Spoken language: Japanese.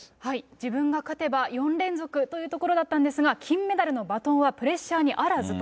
自分が勝てば、４連続というところだったんですが、金メダルのバトンは、プレッシャーにあらずと。